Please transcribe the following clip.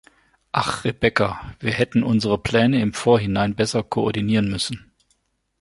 Ach Rebekka, wir hätten unsere Pläne im Vorhinein besser koordinieren müssen.